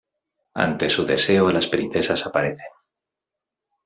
Ante su deseo las princesas aparecen.